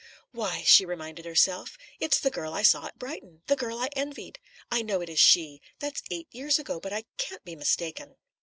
"Why," she reminded herself, "it's the girl I saw at Brighton the girl I envied. I know it is she. That's eight years ago, but I can't be mistaken."